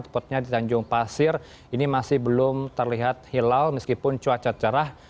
tepatnya di tanjung pasir ini masih belum terlihat hilal meskipun cuaca cerah